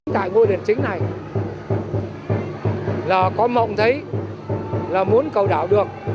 tại ngôi đền chính này là có mộng giấy là muốn cầu đảo được